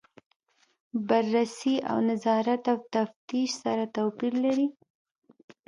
بررسي او نظارت او تفتیش سره توپیر لري.